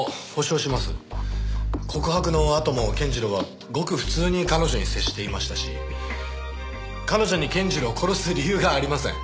告白のあとも健次郎はごく普通に彼女に接していましたし彼女に健次郎を殺す理由がありません。